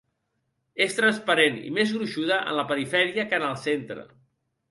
És transparent i més gruixuda en la perifèria que en el centre.